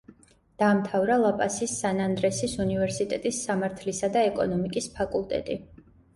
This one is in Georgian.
დაამთავრა ლა-პასის სან-ანდრესის უნივერსიტეტის სამართლისა და ეკონომიკის ფაკულტეტი.